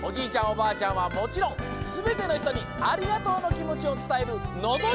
おばあちゃんはもちろんすべてのひとにありがとうのきもちをつたえるのど